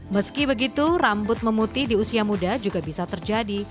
meski begitu rambut memutih di usia muda juga bisa terjadi